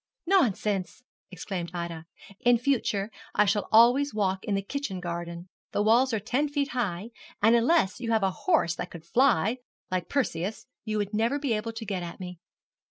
'Nonsense!' exclaimed Ida, 'in future I shall always walk in the kitchen garden; the walls are ten feet high, and unless you had a horse that could fly, like Perseus, you would never be able to get at me.'